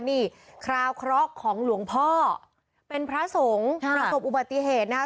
นี่คราวคลอกของหลวงพ่อเป็นพระสงค์คราวคลอกอุบัติเหตุนะคะ